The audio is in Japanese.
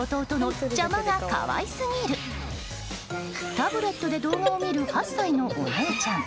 タブレットで動画を見る８歳のお姉ちゃん。